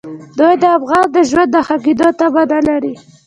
دوی د افغان د ژوند د ښه کېدو تمه نه لري.